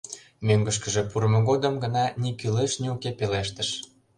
Мӧҥгышкыжӧ пурымо годым гына ни кӱлеш, ни уке — пелештыш: